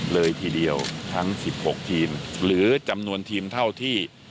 เลยทีเดียวทั้ง๑๖ทีมหรือจำนวนทีมเท่าที่